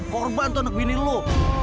korban tuh anak bini lo